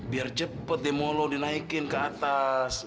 biar cepet demo lo dinaikin ke atas